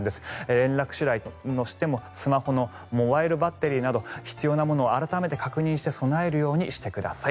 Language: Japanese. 連絡手段としてもスマホのモバイルバッテリーなど必要なものを改めて確認して備えるようにしてください。